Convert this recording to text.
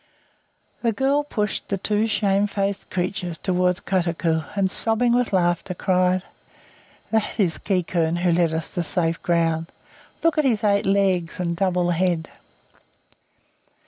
The girl pushed the two shamefaced creatures towards Kotuko, and, sobbing with laughter, cried, "That is Quiquern, who led us to safe ground. Look at his eight legs and double head!"